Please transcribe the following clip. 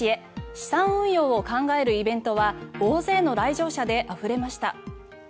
資産運用を考えるイベントは大勢の来場者であふれました。